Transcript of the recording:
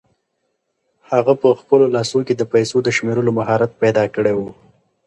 هغه په خپلو لاسو کې د پیسو د شمېرلو مهارت پیدا کړی و.